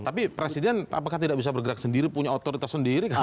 tapi presiden apakah tidak bisa bergerak sendiri punya otoritas sendiri